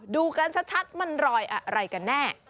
ดูกันชัดมันรอยอะไรกันแน่